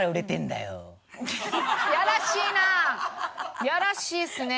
やらしいっすね。